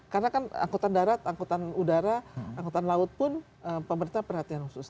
karena kan angkutan darat angkutan udara angkutan laut pun pemerintah perhatian khusus